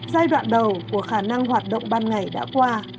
giai đoạn đầu của khả năng hoạt động ban ngày đã qua